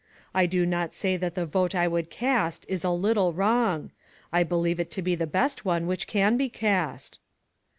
" I do not say that the vote I would cast is a little wrong. I believe it to be the best one which can be cast."